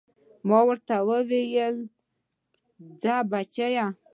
ما ورته وويل ځه بچيه.